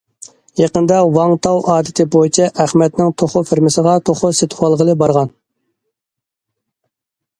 يېقىندا ۋاڭ تاۋ ئادىتى بويىچە ئەخمەتنىڭ توخۇ فېرمىسىغا توخۇ سېتىۋالغىلى بارغان.